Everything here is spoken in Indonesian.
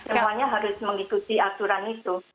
semuanya harus mengikuti aturan itu